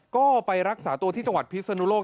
ก็ไปรักษาตัวที่จังหวัดพิศนุโลก